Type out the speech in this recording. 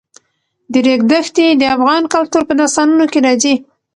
د ریګ دښتې د افغان کلتور په داستانونو کې راځي.